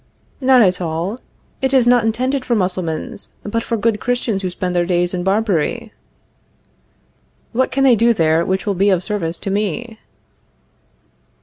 None at all; it is not intended for Mussulmans, but for good Christians who spend their days in Barbary. What can they do there which will be of service to me?